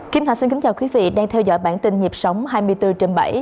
kim thạch xin kính chào quý vị đang theo dõi bản tin nhịp sống hai mươi bốn trên bảy